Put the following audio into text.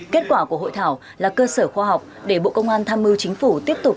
kết quả của hội thảo là cơ sở khoa học để bộ công an tham mưu chính phủ tiếp tục